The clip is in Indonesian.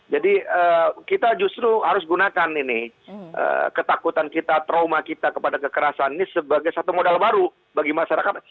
jadi kita justru harus gunakan ini ketakutan kita trauma kita kepada kekerasan ini sebagai satu modal baru bagi masyarakat